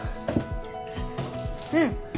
うん。